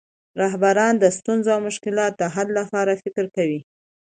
رهبران د ستونزو او مشکلاتو د حل لپاره فکر کوي.